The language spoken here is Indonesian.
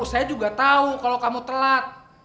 saya juga tahu kalau kamu telat